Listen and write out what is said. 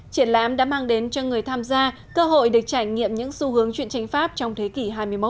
triển lãm đã mang đến cho người tham gia cơ hội được trải nghiệm những xu hướng chuyện tranh pháp trong thế kỷ hai mươi một